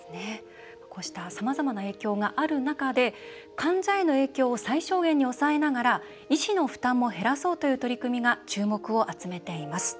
こうしたさまざまな影響がある中で患者への影響を最小限に抑えながら医師の負担も減らそうという取り組みが注目を集めています。